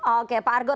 oke pak argo